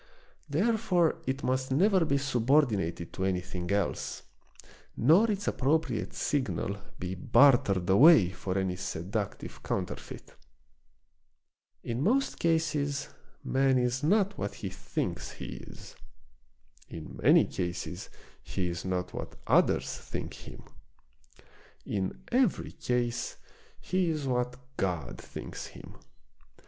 Therefore it must never be subordinated to anything else, nor its appropriate signal be bartered away for any seductive counterfeit. In most cases man is not what he thinks he is. In many cases he is not what others think him. In every case he is what God thinks him.